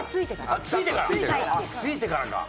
ああついてからか。